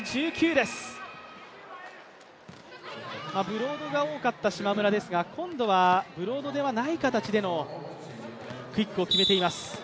ブロードが多かった島村ですが、今度はブロードではない形でのクイックを決めています。